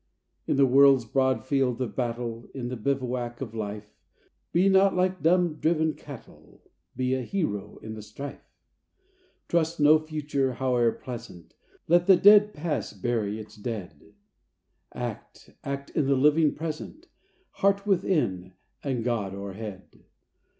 In the world's broad field of battle, In the bivouac of Life, Be not like dumb, driven cattle ! Be a hero in the strife ! Trust no Future, howe'er pleasant ! Let the dead Past bury its dead ! Act, — act in the living Present ! Heart within, and God o'erhead